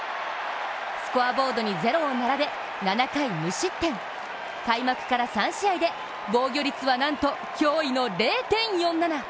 スコアボードに０を並べ７回無失点、開幕から３試合で防御率はなんと驚異の０．４７。